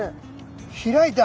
開いた。